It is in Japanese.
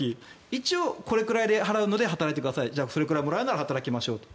一応、これくらい払うので働いてくださいじゃあ、それくらいもらうなら働きましょうと。